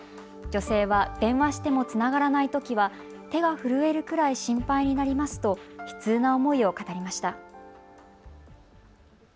女性は電話してもつながらないときは手が震えるくらい心配になりますと悲痛な思いを語りました。